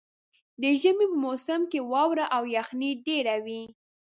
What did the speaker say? د ژمي په موسم کې واوره او یخني ډېره وي.